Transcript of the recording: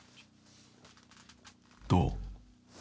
［どう？］